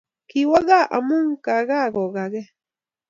Kakowo gaa amu kakakokagee.